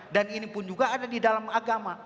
dan ini pun juga ada di dalam agama